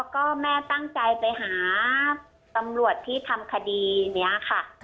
ก็แม่ตั้งใจไปหาตำรวจที่ทำคดีนี้ค่ะ